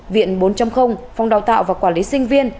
viện bốn phòng đào tạo và quản lý sinh viên